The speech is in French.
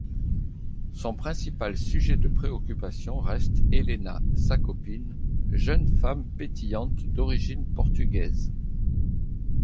Son principal sujet de préoccupation reste Héléna, sa copine, jeune femme pétillante d'origine portugaise.